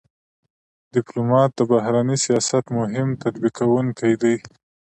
ډيپلومات د بهرني سیاست مهم تطبیق کوونکی دی.